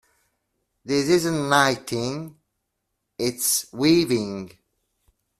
This isn't knitting, its weaving.